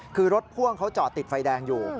คือรถพ่วงเขาจอดติดไฟแดงอยู่